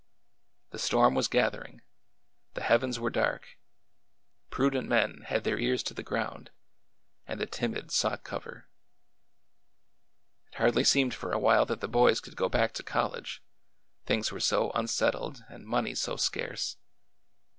The storm was gathering, the heavens were dark, prudent men had their ears to the ground, and the timid sought cover. It hardly seemed for a while that the boys could go back to college— things were so unsettled and money so scarce.